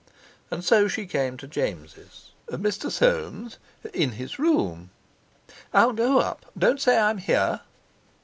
And so she came to James'. "Mr. Soames? In his room? I'll go up; don't say I'm here."